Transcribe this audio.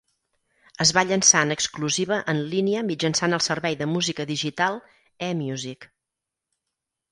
Es va llençar en exclusiva en línia mitjançant el servei de música digital eMusic.